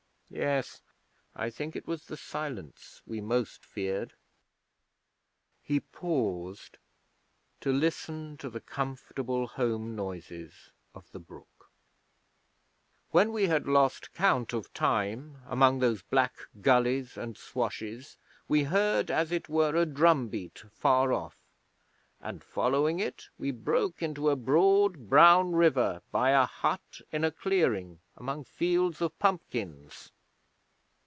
Yes; I think it was the silence we most feared.' He paused to listen to the comfortable home noises of the brook. 'When we had lost count of time among those black gullies and swashes we heard, as it were, a drum beat far off, and following it we broke into a broad, brown river by a hut in a clearing among fields of pumpkins.